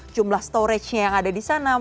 jumlah storage nya yang ada di sana